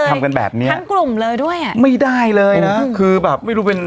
มากเลยทั้งกลุ่มเลยด้วยอ่ะไม่ได้เลยน่ะคือแบบไม่รู้เป็น